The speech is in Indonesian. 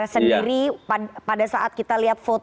sendiri pada saat kita lihat foto